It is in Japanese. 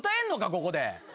ここで。